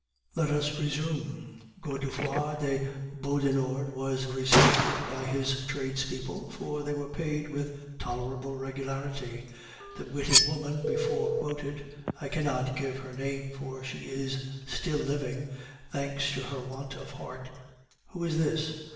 "Let us resume. Godefroid de Beaudenord was respected by his tradespeople, for they were paid with tolerable regularity. The witty woman before quoted I cannot give her name, for she is still living, thanks to her want of heart " "Who is this?"